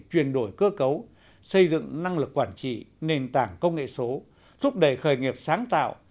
chuyển đổi cơ cấu xây dựng năng lực quản trị nền tảng công nghệ số thúc đẩy khởi nghiệp sáng tạo